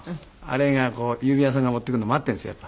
あれが郵便屋さんが持ってくるの待っているんですよ